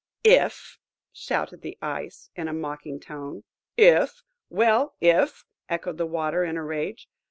"If! " shouted the Ice, in a mocking tone. "If? well, if!" echoed the Water in a rage.